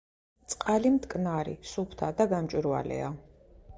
წყალი მტკნარი, სუფთა და გამჭვირვალეა.